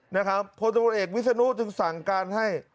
นะครับพตเวิศนุจึงสั่งการให้